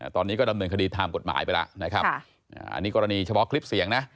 ตอนนี้ก็ดำเนินคดีตามกฎหมายไปแล้วนะครับอันนี้กรณีเฉพาะคลิปเสียงนะ